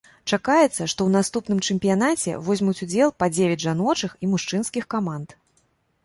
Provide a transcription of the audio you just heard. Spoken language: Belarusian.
Чакаецца, што ў наступным чэмпіянаце возьмуць удзел па дзевяць жаночых і мужчынскіх каманд.